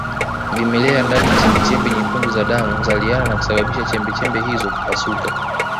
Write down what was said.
Vimelea ndani ya chembechembe nyekundu za damu huzaliana na kusababisha chembechembe hizo kupasuka